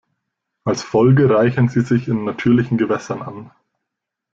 Als Folge reichern sie sich in natürlichen Gewässern an.